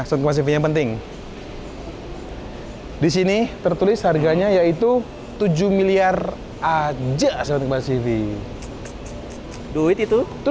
sebatasnya penting hai disini tertulis harganya yaitu tujuh miliar aja selain kemas cv duit itu tuh